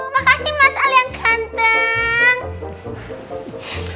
makasih mas al yang ganteng